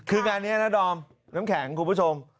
คืองานนี้นะดอมน้ำแข็งคุณผู้ชม